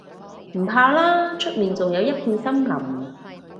唔怕啦，出面仲有一片森林